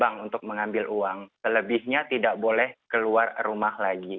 dan juga untuk mengambil uang kelebihnya tidak boleh keluar rumah lagi